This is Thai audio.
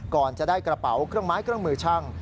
ก่อนจะได้กระเป๋าเครื่องไม้เครื่องมือช่าง